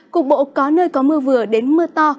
cục bộ có nơi có mưa vừa đến mưa to